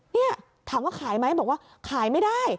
นี่ถามว่าขายไหมบอกว่าขายไม่ได้